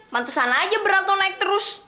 mantesan aja berantau naik terus